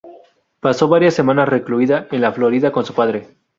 Pasó varias semanas recluida en la Florida con su padre.